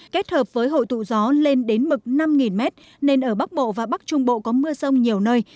kết hợp với hội tụ gió lên đến mực năm m nên ở bắc bộ và bắc trung bộ có mưa rông nhiều nơi